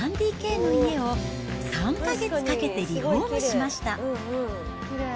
３ＤＫの家を３か月かけてリフォームしました。